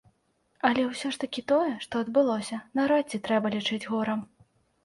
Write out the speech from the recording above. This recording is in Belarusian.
Але ўсё ж такі тое, што адбылося, наўрад ці трэба лічыць горам.